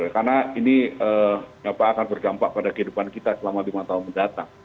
karena ini akan berdampak pada kehidupan kita selama lima tahun mendatang